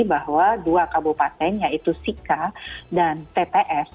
bahwa dua kebupaten yaitu sika dan tts